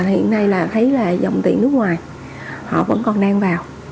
hiện nay là thấy là dòng tiền nước ngoài họ vẫn còn đang vào